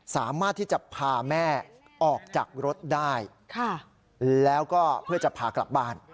สามารถที่จะพาแม่ออกจากรถได้แล้วก็เพื่อจะพากลับบ้าน